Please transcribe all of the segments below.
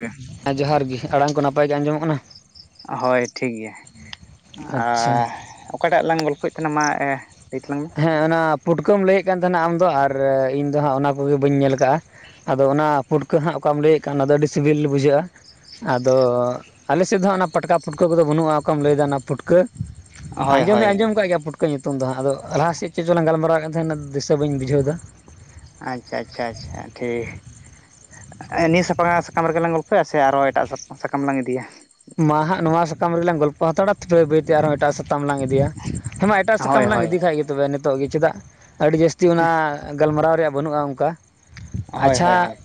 [unintelligible] ᱦᱮᱸ ᱡᱚᱦᱟᱨ ᱜᱮ ᱟᱲᱟᱝ ᱠᱚ ᱱᱟᱯᱟᱭ ᱜᱮ ᱟᱸᱡᱚᱢᱚᱜ ᱠᱟᱱᱟ ᱦᱳᱭ ᱴᱷᱤᱠᱜᱮᱭᱟ᱾ ᱟ ᱟᱪᱪᱷᱟ ᱚᱠᱟᱴᱟᱜ ᱞᱟᱝ ᱜᱚᱞᱯᱷᱚᱭᱮᱫ ᱛᱟᱦᱮᱱᱟ ᱢᱟ ᱞᱟᱹᱭ ᱛᱟᱞᱟᱝ ᱢᱮ᱾ ᱦᱮᱸ ᱚᱱᱟ ᱯᱩᱴᱠᱟᱹᱢ ᱞᱟᱹᱭᱮᱜ ᱠᱟᱱ ᱛᱟᱦᱮᱱᱟ ᱟᱢᱫᱚ ᱟᱨ ᱤᱧᱫᱚ ᱦᱟᱸᱜ ᱚᱱᱟ ᱠᱚᱜᱮ ᱵᱟᱹᱧ ᱧᱮᱞ ᱟᱠᱟᱜᱼᱟ᱾ ᱟᱫᱚ ᱚᱱᱟ ᱯᱩᱴᱠᱟᱹ ᱦᱟᱸᱜ ᱚᱠᱟᱢ ᱞᱟᱹᱭᱮᱜ ᱠᱟᱱ ᱚᱱᱟᱫᱚ ᱟᱹᱰᱤ ᱥᱤᱵᱤᱞ ᱵᱩᱡᱷᱟᱹᱜᱼᱟ᱾ ᱟᱫᱚ ᱟᱞᱮᱥᱮᱫ ᱫᱚᱦᱟᱸ ᱚᱱᱟ ᱯᱟᱴᱠᱟ ᱯᱷᱩᱴᱠᱟᱹ ᱠᱚᱫᱚ ᱵᱟᱹᱱᱩᱜᱼᱟ ᱚᱠᱟᱢ ᱞᱟᱹᱭᱮᱫᱟ ᱚᱱᱟ ᱯᱷᱩᱴᱠᱟᱹᱼᱼ ᱦᱳᱭ ᱟᱸᱡᱚᱢ ᱦᱳᱭ ᱫᱚᱧ ᱟᱸᱡᱚᱢ ᱠᱟᱜ ᱜᱮᱭᱟ ᱯᱩᱴᱠᱟᱹ ᱧᱩᱛᱩᱢ ᱫᱚ ᱦᱟᱸᱜ ᱟᱫᱚᱼᱼ ᱞᱟᱦᱟᱮᱜ ᱪᱚᱞᱟᱝ ᱜᱟᱞᱢᱟᱨᱟᱣᱮᱫ ᱠᱟᱱ ᱛᱟᱦᱮᱱᱟ ᱫᱤᱥᱟᱹ ᱵᱟ. ᱧ ᱵᱩᱡᱷᱟᱹᱣᱮᱫᱟ? ᱟᱪᱪᱷᱟ, ᱟᱪᱪᱷᱟ, ᱟᱪᱪᱷᱟ, ᱴᱷᱤᱠ᱾ ᱱᱤᱭᱟᱹ ᱥᱟᱯᱷᱟᱨᱦᱟᱜ ᱥᱟᱠᱟᱢ ᱨᱮᱜᱮ ᱞᱟᱝ ᱜᱚᱞᱯᱷᱚᱭᱟ ᱥᱮ ᱟᱨᱦᱚ ᱮᱴᱟᱜ ᱥᱟᱛᱟᱢ ᱥᱟᱠᱟᱢ ᱞᱟᱝ ᱤᱫᱤᱭᱟ? ᱢᱟ ᱦᱟᱸᱟᱜ ᱱᱚᱣᱟ ᱥᱟᱠᱟᱢ ᱨᱮᱞᱟᱝ ᱜᱚᱞᱯᱚ ᱦᱟᱛᱟᱲᱟ [unintelligible] ᱵᱟ. ᱭ ᱵᱟᱹᱭᱛᱮ ᱟᱨᱦᱚᱸ ᱮᱴᱟᱜ ᱥᱟᱛᱟᱢ ᱞᱟᱝ ᱤᱫᱤᱭᱟ᱾ ᱦᱮᱸ ᱮᱴᱟᱜ ᱥᱟᱠᱟᱢ ᱦᱳᱭ ᱞᱟᱝ ᱦᱳᱭ ᱤᱫᱤ ᱠᱷᱟᱡ [unintelligible] ᱛᱚᱵᱮ ᱱᱤᱛᱚᱜ ᱜᱮ ᱪᱮᱫᱟᱜ ᱟᱹᱰᱤ ᱡᱟᱹᱥᱛᱤ ᱚᱱᱟ ᱜᱟᱞᱢᱟᱨᱟᱣ ᱨᱮᱭᱟᱜ ᱵᱟᱹᱱᱩᱜᱼᱟ ᱚᱱᱠᱟ᱾ ᱦᱳᱭ ᱟᱪᱪᱷᱟ ᱦᱳᱭ ᱦᱳᱭ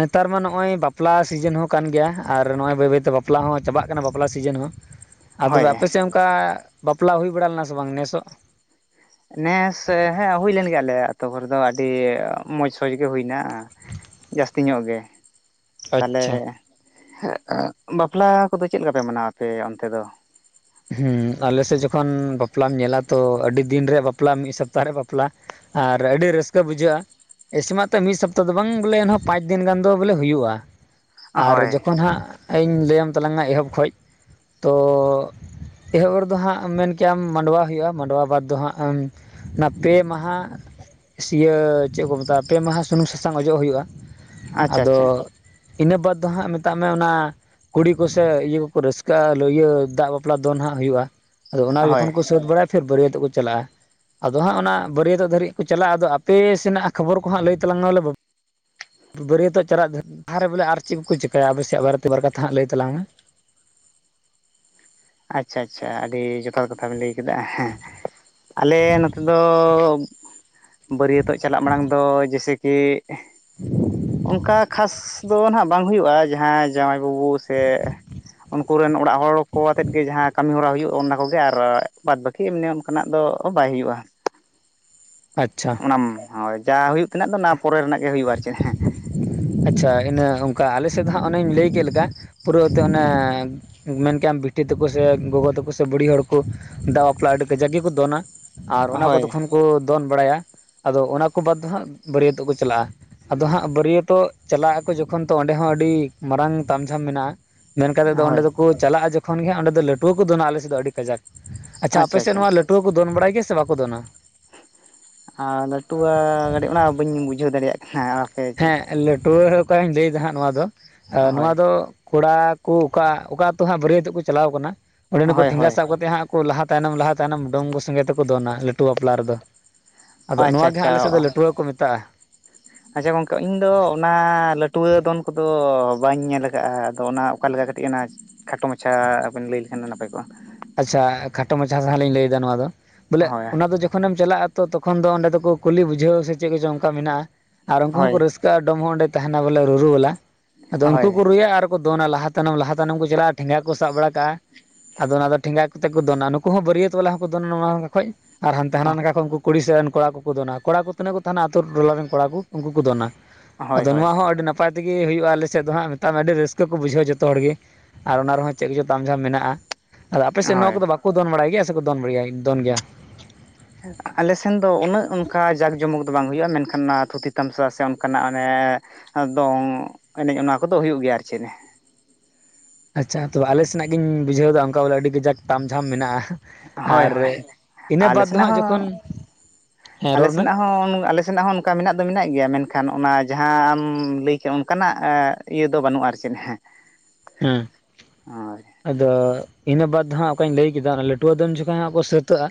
ᱱᱮᱛᱟᱨ ᱢᱟ ᱱᱚᱜᱚᱭ ᱵᱟᱯᱞᱟ ᱥᱤᱡᱤᱱ ᱦᱚᱸ ᱠᱟᱱ ᱜᱮᱭᱟ ᱟᱨ ᱱᱚᱜᱚᱭ ᱵᱟᱹᱭ ᱵᱟᱹᱭᱛᱮ ᱵᱟᱯᱼᱼ ᱞᱟ ᱦᱚᱸ ᱪᱟᱵᱟᱜ ᱠᱟᱱᱟ ᱵᱟᱯᱞᱟ ᱥᱤᱡᱤᱱ ᱦᱚᱸ ᱟ ᱦᱳᱭ ᱛᱚᱵᱮ ᱟᱯᱮᱥᱮᱜ ᱚᱱᱠᱟᱼᱼ ᱵᱟᱯᱞᱟ ᱦᱩᱭ ᱵᱟᱲᱟ ᱞᱮᱱᱟ ᱥᱮ ᱵᱟᱝ ᱱᱮᱥᱚᱜ? ᱱᱮᱥ ᱦᱮᱸ ᱦᱩᱭ ᱞᱮᱱ ᱜᱮᱭᱟ ᱟᱞᱮᱭᱟᱜ ᱟᱹᱛᱳ ᱠᱚᱨᱮ ᱫᱚ ᱟᱹᱰᱤ ᱢᱚᱪ ᱥᱚᱪ ᱜᱮ ᱦᱩᱭᱱᱟ᱾ ᱡᱟᱹᱥᱛᱤ ᱧᱚᱜ ᱜᱮ᱾ ᱛᱟᱞᱮ ᱟᱪᱪᱷᱟ ᱵᱟᱯᱞᱟ ᱠᱚᱫᱚ ᱪᱮᱜ ᱞᱮᱠᱟ ᱯᱮ ᱢᱟᱱᱟᱣ ᱟᱯᱮ ᱚᱱᱛᱮ ᱫᱚ? ᱦᱩᱸ ᱟᱞᱮᱥᱮᱫ ᱡᱚᱠᱷᱚᱱ ᱵᱟᱯᱞᱟᱢ ᱧᱮᱞᱟ ᱛᱚ ᱟᱹᱰᱤ ᱫᱤᱱ ᱨᱮᱭᱟᱜ ᱵᱟᱯᱞᱟ ᱢᱤᱫ ᱥᱚᱯᱛᱟᱦᱚ ᱨᱮ ᱵᱟᱯᱞᱟ ᱟᱨ ᱟᱹᱰᱤ ᱨᱟᱹᱥᱠᱟᱹ ᱵᱩᱡᱷᱟᱹᱜᱼᱟ᱾ ᱮᱥᱮᱢᱟᱛᱚ ᱢᱤᱜ ᱥᱚᱯᱛᱟ ᱫᱚ ᱵᱟᱝ ᱵᱚᱞᱮ ᱮᱱᱦᱚᱸ ᱯᱟᱸᱪ ᱫᱤᱱ ᱜᱟᱱ ᱫᱚ ᱵᱚᱞᱮ ᱦᱩᱭᱩᱜᱼᱟ᱾ ᱟᱨ ᱦᱳᱭ ᱡᱚᱠᱷᱚᱱ ᱦᱟᱸᱜ ᱤᱧ ᱞᱟᱹᱭᱟᱢ ᱛᱟᱞᱟᱝᱟ ᱮᱦᱚᱵ ᱠᱷᱚᱡ ᱛᱚ ᱮᱦᱚᱵ ᱨᱮᱫᱚ ᱦᱟᱸᱜ ᱢᱮᱱ ᱠᱮᱭᱟᱢ ᱢᱟᱰᱣᱟ ᱦᱩᱭᱩᱜᱼᱟ ᱢᱟᱰᱣᱟ ᱵᱟᱫᱽ ᱫᱚ ᱦᱟᱸᱜ ᱮᱢ ᱚᱱᱟ ᱯᱮ ᱢᱟᱦᱟ ᱥᱤᱭᱟᱹ ᱪᱮᱜ ᱠᱚ ᱢᱮᱛᱟᱜᱼᱟ ᱯᱮ ᱢᱟᱦᱟ ᱥᱩᱱᱩᱢ ᱥᱟᱥᱟᱝ ᱚᱡᱚᱜ ᱦᱩᱭᱩᱜᱼᱟ᱾ ᱟᱪᱪᱷᱟ ᱟᱪᱪᱷᱟ ᱟᱫᱚ ᱤᱱᱟᱹ ᱵᱟᱫ ᱫᱚ ᱦᱟᱸᱜ ᱢᱮᱛᱟᱜ ᱢᱮ ᱚᱱᱟ ᱠᱩᱲᱤ ᱠᱚᱥᱮ ᱤᱭᱟᱹ ᱠᱚᱠᱚ ᱨᱟᱹᱥᱠᱟᱹᱜ-ᱟ ᱞ [unintelligible] ᱫᱟᱜᱼᱼ ᱵᱟᱯᱞᱟ ᱫᱚᱱ ᱦᱟᱸᱜ ᱦᱩᱭᱩᱜ-ᱟ᱾ ᱟᱫᱚ ᱚᱱᱟ ᱦᱳᱭ ᱡᱚᱠᱷᱚᱱ ᱠᱚ ᱥᱟᱹᱛ ᱵᱟᱲᱟᱭᱟ, ᱯᱷᱤᱨ ᱵᱟᱹᱨᱭᱟᱹᱛᱚᱜ ᱠᱚ ᱪᱟᱞᱟᱜ-ᱟ᱾ ᱟᱫᱚ ᱦᱟᱸᱜ ᱚᱱᱟ ᱵᱟᱹᱨᱭᱟᱹᱛᱚᱜ ᱫᱷᱟᱹᱨᱤᱡ ᱠᱚ ᱪᱟᱞᱟᱜ-ᱟ᱾ ᱟᱫᱚ ᱟᱯᱮ ᱥᱮᱱᱟᱜ ᱠᱷᱚᱵᱚᱨ ᱠᱚ ᱦᱟᱸᱜ ᱞᱟᱹᱭ ᱛᱟᱞᱟᱝ ᱢᱮᱞᱮ ᱵᱟᱹᱨᱭᱟᱹᱛᱚᱜ ᱪᱟᱞᱟᱜ ᱞᱟᱦᱟᱨᱮ ᱵᱚᱞᱮ ᱟᱨ ᱪᱮᱫ ᱠᱚᱠᱚ ᱪᱤᱠᱟᱹᱭᱟ ᱾ ᱟᱯᱮ ᱥᱮᱭᱟᱜ ᱵᱟᱨᱮᱛᱮ ᱵᱟᱨ ᱠᱟᱛᱷᱟ ᱦᱟᱸᱜ ᱞᱟᱹᱭ ᱛᱟᱞᱟᱝ ᱢᱮ᱾ ᱟᱪᱪᱷᱟ - ᱟᱪᱪᱷᱟᱼᱼ ᱟᱹᱰᱤ ᱡᱚᱛᱷᱟᱛ ᱠᱟᱛᱷᱟ ᱵᱮᱱ ᱞᱟᱹᱭ ᱠᱮᱫᱟ᱾ᱦᱮᱸ ᱟᱞᱮ ᱱᱚᱛᱮ ᱫᱚ᱾ ᱵᱟᱹᱨᱭᱟᱹᱛᱚᱜ ᱪᱟᱞᱟᱜ ᱢᱟᱲᱟᱝ ᱫᱚ ᱡᱮᱥᱮ ᱠᱤ ᱚᱱᱠᱟ ᱠᱷᱟᱥ ᱫᱚ ᱱᱟᱦᱟᱜ ᱵᱟᱝ ᱦᱩᱭᱩᱜ-ᱟ᱾ ᱡᱟᱦᱟᱸ ᱡᱟᱶᱟᱭ ᱵᱟᱹᱵᱩ ᱥᱮ ᱩᱱᱠᱚ ᱨᱮᱱ ᱚᱲᱟᱜ ᱦᱚᱲ ᱟᱛᱮᱫᱜᱮ ᱡᱟᱦᱟᱸ ᱠᱟᱹᱢᱤ ᱦᱚᱨᱟ ᱦᱩᱭᱩᱜ-ᱟ ᱚᱱᱟ ᱠᱚᱜᱮ, ᱟᱨ ᱵᱟᱫᱽ ᱵᱟᱹᱠᱤ ᱮᱢᱱᱤ ᱚᱱᱠᱟᱱᱟᱜ ᱫᱚ ᱵᱟᱭ ᱦᱩᱭᱩᱜ-ᱟ᱾ ᱟᱪᱪᱷᱟ ᱚᱱᱟ ᱦᱳᱭ ᱡᱟ ᱦᱩᱭᱩᱜ ᱛᱮᱱᱟᱜ ᱫᱚ ᱚᱱᱟ ᱯᱚᱨᱮ ᱨᱮᱱᱟᱜ ᱜᱮ ᱦᱩᱭᱩᱜ-ᱟ ᱟᱨ ᱪᱮᱫ ᱪᱮᱸ ᱟᱪᱪᱷᱟ ᱤᱱᱟᱹ ᱚᱱᱠᱟ ᱟᱞᱮᱥᱮᱫ ᱫᱚ ᱦᱟᱜ ᱚᱱᱮᱧ ᱞᱟᱹᱭ ᱠᱮᱫ ᱞᱮᱠᱟ᱾ ᱯᱩᱨᱟᱹᱛᱮ ᱚᱱᱮ- ᱢᱮᱱ ᱠᱮᱟᱢ ᱵᱤᱴᱤ ᱛᱟᱠᱚ ᱥᱮ, ᱜᱚᱜᱚ ᱛᱟᱠᱚ ᱥᱮ, ᱵᱩᱲᱦᱤ ᱦᱚᱲ ᱠᱚ, ᱫᱟᱜ ᱵᱟᱯᱞᱟ ᱟᱹᱰᱤ ᱠᱟᱡᱟᱠ ᱜᱮᱠᱚ ᱫᱚᱱᱟ᱾ ᱟᱨ ᱚᱱᱟ ᱠᱚ ᱦᱳᱭ ᱛᱚᱠᱷᱚᱱ ᱠᱚ ᱫᱚᱱ ᱵᱟᱲᱟᱭᱟ ᱟᱫᱚ ᱚᱱᱟ ᱠᱚ ᱵᱟᱫᱽ ᱫᱚ ᱦᱟᱸᱜ ᱵᱟᱹᱨᱭᱟᱹᱛᱚᱜ ᱠᱚ ᱪᱟᱞᱟᱜ-ᱟ᱾ ᱟᱫᱚ ᱦᱟᱸᱜ ᱵᱟᱹᱨᱭᱟᱹᱛᱚᱜ ᱛᱚ ᱪᱟᱞᱟᱜ ᱟᱠᱚ ᱡᱚᱠᱷᱚᱱ ᱛᱚ ᱚᱸᱰᱮ ᱦᱚᱸ ᱟᱹᱰᱤ ᱢᱟᱨᱟᱝ ᱛᱟᱢ ᱡᱷᱟᱢ ᱢᱮᱱᱟᱜ-ᱟ᱾ ᱢᱮᱱ ᱠᱟᱛᱮᱫ ᱫᱚ ᱚᱸᱰᱮ ᱦᱳᱭ ᱫᱚᱠᱚ ᱪᱟᱞᱟᱜ-ᱟ ᱡᱚᱠᱷᱚᱱ ᱜᱮ ᱦᱟᱜ ᱚᱸᱰᱮ ᱞᱟᱹᱴᱩᱣᱟᱹ ᱠᱚ ᱫᱚᱱᱟ ᱟᱞᱮᱥᱮᱫ ᱫᱚ᱾ ᱟᱹᱰᱤ ᱠᱟᱡᱟᱠ ᱟᱪᱪᱷᱟ ᱟᱯᱮ ᱥᱮᱫ ᱱᱚᱣᱟ ᱞᱟᱹᱴᱩ [unintelligible] ᱫᱚᱱ ᱵᱟᱲᱟᱭ ᱜᱮᱭᱟ ᱥᱮ ᱵᱟᱠᱚ ᱫᱚᱱᱟ? ᱟᱨ ᱞᱟᱹᱴᱩᱣᱟ ᱠᱟᱴᱤᱡ ᱚᱱᱟ ᱵᱟᱹᱧ ᱵᱩᱡᱷᱟᱹᱣ ᱫᱟᱲᱮᱭᱟᱜ ᱠᱟᱱᱟ᱾ᱟᱨ ᱦᱮᱸ ᱞᱟᱹᱴᱣᱟᱹ ᱚᱱᱟ ᱞᱟᱹᱭᱮᱫᱫᱟ ᱦᱟᱸᱜ ᱱᱚᱣᱟ ᱫᱚ ᱱᱚᱣᱟ ᱦᱳᱭ ᱫᱚ᱾ ᱠᱚᱲᱟ ᱠᱚ ᱚᱠᱟ ᱟᱹᱛᱩ ᱦᱟᱸᱜ ᱵᱟᱹᱨᱭᱟᱹᱛᱚᱜ ᱠᱚ ᱪᱟᱞᱟᱣ ᱠᱟᱱᱟ᱾ ᱚᱸᱰᱮᱱᱠᱩ ᱦᱳᱭ ᱴᱷᱮᱸᱜᱟ ᱦᱳᱭ ᱥᱟᱵ ᱠᱟᱛᱮᱫ ᱦᱟᱸᱜ ᱞᱟᱦᱟ ᱛᱟᱭᱱᱚᱢ ᱞᱟᱦᱟ ᱛᱟᱭᱱᱚᱢ ᱰᱚᱢ ᱥᱚᱸᱜᱮ ᱛᱮᱠᱚ ᱫᱚᱱᱟ ᱞᱟᱹᱴᱩᱣᱟᱹ ᱵᱟᱯᱞᱟ ᱨᱮᱫᱚ᱾ ᱟᱫᱚ ᱟᱪᱪᱷᱟ ᱱᱚᱣᱟ ᱜᱮ ᱦᱟᱸᱜ ᱟᱪᱪᱷᱟ ᱟᱞᱮᱥᱮᱫ ᱫᱚ ᱞᱟᱹᱴᱩᱣᱟᱹ ᱠᱚ ᱢᱮᱛᱟᱜᱼᱟ᱾ ᱟᱪᱪᱷᱟ ᱜᱚᱝᱠᱮ ᱤᱧᱫᱚ ᱚᱱᱟ ᱱᱟᱹᱴᱣᱟᱹ ᱫᱚᱱ ᱠᱚᱫᱚ ᱵᱟᱹᱧ ᱧᱮᱞ ᱟᱠᱟᱫ-ᱟ ᱟᱫᱚ ᱚᱱᱟ ᱚᱠᱟ ᱞᱮᱠᱟ ᱠᱟᱹᱴᱤᱡ ᱚᱱᱟ ᱠᱷᱟᱴᱚ ᱢᱟᱪᱷᱟᱵᱮᱱ ᱞᱟᱹᱭ ᱞᱮᱠᱷᱟᱱ ᱱᱟᱯᱟᱭ ᱠᱚᱜ-ᱟ᱾ ᱟᱪᱪᱷᱟ ᱠᱷᱟᱴᱚ ᱢᱟᱪᱷᱟ ᱫᱷᱟᱨᱟ ᱞᱤᱧ ᱞᱟᱹᱭᱮᱫᱫᱟ ᱱᱚᱣᱟ ᱫᱚ, ᱵᱚᱞᱮ ᱦᱳᱭ ᱚᱱᱟ ᱫᱚ ᱡᱚᱠᱷᱚᱱᱮᱢ ᱪᱟᱞᱟᱜ-ᱟ᱾ ᱛᱚ ᱛᱚᱠᱷᱚᱱ ᱫᱚ ᱚᱸᱰᱮ ᱫᱚᱠᱚ ᱠᱩᱞᱤ ᱵᱩᱡᱷᱟᱹᱣ ᱥᱮ ᱪᱮᱫ ᱠᱚ ᱪᱚᱝ ᱚᱱᱠᱟ ᱢᱮᱱᱟᱜ-ᱟ᱾ ᱟᱨ ᱩᱱᱠᱩ ᱦᱳᱭ ᱦᱚᱸᱠᱚ ᱨᱟᱹᱥᱠᱟᱹ ᱰᱚᱢ ᱦᱚᱸ ᱚᱸᱰᱮ ᱛᱟᱦᱮᱱᱟ ᱵᱚᱞᱮ ᱨᱩᱨᱩ ᱵᱟᱞᱟ᱾ ᱟᱫᱚ ᱦᱳᱭ ᱩᱱᱠᱩ ᱠᱚ ᱨᱩᱭᱟ ᱟᱨ ᱫᱚᱱᱟ ᱞᱟᱦᱟ ᱛᱟᱭᱱᱚᱢ ᱞᱟᱦᱟ ᱛᱟᱭᱱᱚᱢ ᱠᱚ ᱪᱟᱞᱟᱜ-ᱟ᱾ ᱴᱷᱮᱸᱜᱟ ᱠᱚ ᱥᱟᱵ ᱵᱟᱲᱟ ᱠᱟᱜ-ᱟ᱾ ᱟᱫᱚ ᱚᱱᱟ ᱫᱚ ᱴᱷᱮᱸᱜᱟ ᱠᱚᱛᱮ ᱠᱚ ᱫᱚᱱᱟ᱾ ᱱᱩᱠᱩ ᱦᱚᱸ ᱵᱟᱹᱨᱭᱟᱹᱛ ᱵᱟᱞᱟ ᱦᱚᱸᱠᱚ ᱫᱚᱱᱟ᱾ ᱚᱱᱟ ᱠᱷᱚᱡ ᱟᱨ ᱦᱟᱱᱛᱮ ᱦᱟᱱᱟ ᱱᱚᱝᱠᱷᱟ ᱠ ᱠᱷᱚᱱᱠᱩ ᱠᱩᱲᱤ ᱥᱮᱜ ᱨᱮᱱ ᱠᱚᱲᱟ ᱠᱚᱼᱠᱚ ᱫᱚᱱᱟ᱾ ᱠᱚᱲᱟ ᱠᱚ ᱛᱤᱱᱟᱹᱜ ᱠᱚ ᱛᱟᱦᱮᱱᱟ ᱟᱹᱛᱩ ᱴᱚᱞᱟ ᱨᱮᱱ ᱠᱚᱲᱟ ᱠᱚ ᱩᱱᱠᱩ ᱠᱚ ᱫᱚᱱᱟ᱾ ᱦᱳᱭ ᱟᱫᱚ ᱦᱳᱭ ᱱᱚᱣᱟ ᱦᱚᱸ ᱟᱹᱰᱤ ᱱᱟᱯᱟᱭ ᱛᱮᱜᱮ ᱦᱩᱭᱩᱜ-ᱟ ᱟᱞᱮ ᱥᱮᱫ ᱫᱚ, ᱦᱟᱸᱜ ᱢᱮᱛᱟᱜ ᱢᱮ ᱟᱹᱰᱤ ᱨᱟᱹᱥᱠᱟᱹ ᱠᱚ ᱵᱩᱡᱷᱟᱹᱣᱼᱟ, ᱡᱚᱛᱚ ᱦᱚᱲ ᱜᱮ᱾ ᱟᱨ ᱚᱱᱟ ᱨᱮᱦᱚᱸ ᱪᱮᱫ ᱠᱚᱪᱚ ᱛᱟᱢ ᱡᱷᱟᱢ ᱢᱮᱱᱟᱜᱼᱟ᱾ ᱟᱫᱚ ᱟᱯᱮᱥᱮᱫ ᱱᱚᱣᱟ ᱦᱳᱭ ᱠᱚᱫᱚ ᱵᱟᱠᱚ ᱫᱚᱱ ᱵᱟᱲᱟᱭ ᱜᱮᱭᱟ ᱥᱮᱠᱚ ᱫᱚᱱ ᱵᱟᱲ ᱫᱚᱱ ᱜᱮᱭᱟ? ᱟᱞᱮ ᱥᱮᱱ ᱫᱚ ᱩᱱᱟᱹᱜ ᱚᱱᱠᱟ ᱡᱟᱸᱠ ᱡᱚᱢᱚᱠ ᱫᱚ ᱵᱟᱝ ᱦᱩᱭᱩᱜ-ᱟ᱾ ᱢᱮᱱᱠᱷᱟᱱ ᱚᱱᱟ ᱛᱷᱩᱛᱤ ᱛᱟᱢᱥᱟ ᱥᱮ ᱚᱱᱠᱟᱱᱟᱜ ᱚᱱᱮ ᱫᱚᱝ ᱮᱱᱮᱡ ᱚᱱᱟ ᱠᱚ ᱫᱚ ᱦᱩᱭᱩᱜ ᱜᱮᱭᱟ ᱟᱨ ᱪᱮᱫ ᱟᱪᱪᱷᱟ ᱛᱚᱵᱮ ᱟᱞᱮ ᱥᱮᱱᱟᱜ ᱜᱤᱧ ᱵᱩᱡᱷᱟᱹᱣ ᱮᱫᱟ᱾ ᱚᱱᱠᱟ ᱵᱚᱞᱮ ᱟᱹᱰᱤ ᱠᱟᱡᱟᱠ ᱛᱟᱢ ᱡᱷᱟᱢ ᱢᱮᱱᱟᱜ-ᱟ᱾ ᱦᱳᱭ ᱟᱨ ᱦᱳᱭ ᱤᱱᱟᱹ ᱟᱞᱮ ᱵᱟᱫ ᱫᱚ ᱥᱮᱱᱟᱜ ᱦᱟᱸᱜ ᱦᱚᱸ ᱡᱚᱠᱷᱚᱱ᱾ ᱦᱮᱸ ᱟᱞᱮ ᱨᱚᱲ ᱢᱮ ᱥᱮᱱᱟᱜ ᱦᱚᱸ, ᱟᱞᱮ ᱥᱮᱱᱟᱜ ᱦᱚᱸ, ᱚᱱᱠᱟ ᱢᱮᱱᱟᱜ ᱫᱚ ᱢᱮᱱᱟᱜ ᱜᱮᱭᱟ, ᱢᱮᱱᱠᱷᱟᱱ ᱚᱱᱟ ᱡᱟᱦᱟᱸᱟᱢ ᱞᱟᱹᱭ ᱠᱮᱫ ᱮᱜ ᱚᱱᱠᱟᱱᱟᱜ ᱤᱭᱟᱹ ᱫᱚ ᱵᱟᱹᱱᱩᱜ-ᱟ, ᱟᱨ ᱪᱮᱫ ᱦᱮᱸ ᱦᱮᱸ ᱚᱭ [unintelligible] ᱟᱫᱚ ᱤᱱᱟᱹ ᱵᱟᱫ ᱫᱚᱦᱟᱸᱜ ᱚᱠᱟᱧ ᱞᱟᱹᱭ ᱠᱮᱫᱟ, ᱞᱟᱹᱴᱩᱣᱟᱹ ᱫᱚᱱ ᱡᱚᱠᱷᱚᱱ ᱦᱟᱜ ᱠᱚ ᱥᱟᱹᱛᱟᱹᱜ-ᱟ᱾